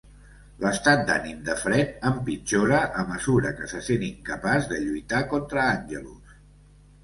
L'estat d'ànim de Fred empitjora a mesura que se sent incapaç de lluitar contra Angelus.